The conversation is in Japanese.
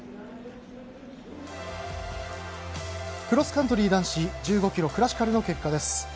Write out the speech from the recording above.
クロスカントリー男子１５ｋｍクラシカルの結果です。